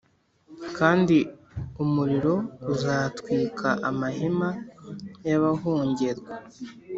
kandi umuriro uzatwika amahema y’abahongerwa